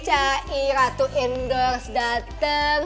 cahy ratu endorse dateng